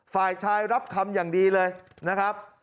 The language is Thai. ฝ่ายชายรับคำอย่างดีเลยนะครับ